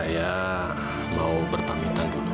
saya mau berpamitan dulu